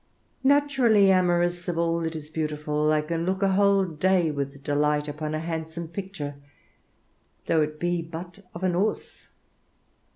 Naturally amorous of all that is beautiful, I can look a whole day with delight upon a handsome picture, though it be but of an horse.